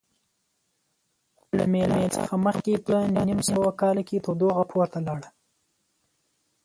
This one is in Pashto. خو له میلاد څخه مخکې په نهه نیم سوه کال کې تودوخه پورته لاړه